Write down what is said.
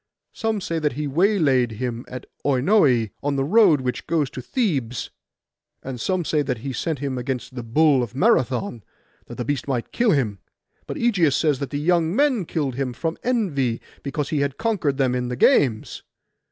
Some say that he waylaid him by Oinoe, on the road which goes to Thebes; and some that he sent him against the bull of Marathon, that the beast might kill him. But Ægeus says that the young men killed him from envy, because he had conquered them in the games.